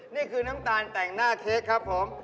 นี่คือน้ำตาลแต่งหน้าเค้กครับผม